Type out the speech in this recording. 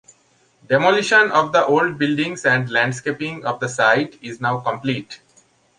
Demolition of the old buildings and landscaping of the site is now complete.